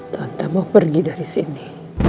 tanpa mau pergi dari sini